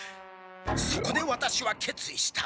そこでワタシは決意した。